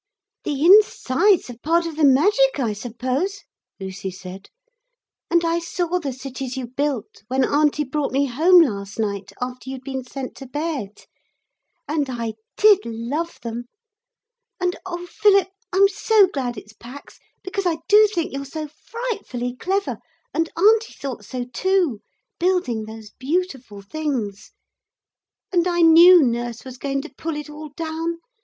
'The insides are part of the magic, I suppose,' Lucy said; 'and I saw the cities you built when Auntie brought me home last night, after you'd been sent to bed. And I did love them. And oh, Philip, I'm so glad it's Pax because I do think you're so frightfully clever, and Auntie thought so too, building those beautiful things. And I knew nurse was going to pull it all down.